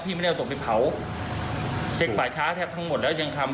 ไม่ได้เอาศพไปเผาเช็คป่าช้าแทบทั้งหมดแล้วยังทำ